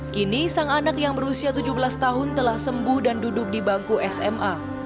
kini sang anak yang berusia tujuh belas tahun telah sembuh dan duduk di bangku sma